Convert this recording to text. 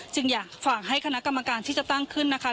จึงอยากฝากให้คณะกรรมการที่จะตั้งขึ้นนะคะ